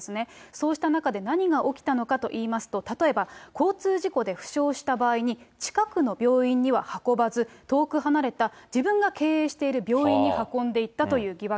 そうした中で、何が起きたのかといいますと、例えば交通事故で負傷した場合に、近くの病院に運ばず、遠く離れた自分が経営している病院に運んでいったという疑惑。